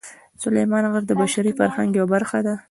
سلیمان غر د بشري فرهنګ یوه برخه ده.